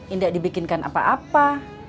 indah dibikinkan apa apa